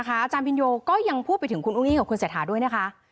อาจารย์บินโยก็ยังพูดไปถึงคุณอุ้งอี้กับคุณสายถาดูกัน